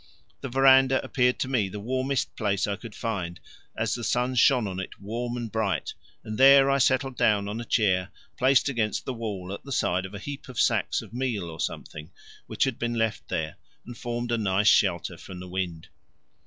The verandah appeared to me the warmest place I could find, as the sun shone on it warm and bright, and there I settled down on a chair placed against the wall at the side of a heap of sacks of meal or something which had been left there, and formed a nice shelter from the wind.